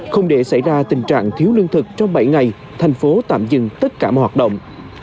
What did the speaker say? không để xảy ra tình trạng thiếu lương thực trong bảy ngày thành phố tạm dừng tất cả mọi hoạt động